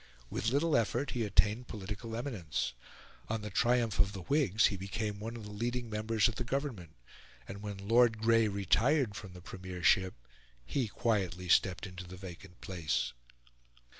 With little effort, he attained political eminence. On the triumph of the Whigs he became one of the leading members of the Government; and when Lord Grey retired from the premiership he quietly stepped into the vacant place.